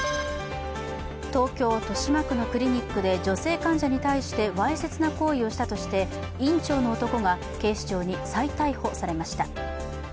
東京・豊島区のクリニックで女性患者に対してわいせつな行為をしたとして院長の男が警視庁に再逮捕されました。